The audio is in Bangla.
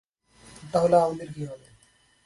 তাহলে আমাদের কি হবে?